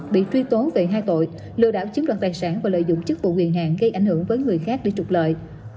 bị truy tố về hai tội lừa đảo chiếm đoạt tài sản và lợi dụng chức vụ quyền hạn gây ảnh hưởng với người khác để trục lợi